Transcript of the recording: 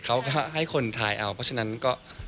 เขาก็ให้คนทายเอาเพราะฉะนั้นก็